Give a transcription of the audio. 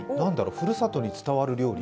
ふるさとに伝わる料理？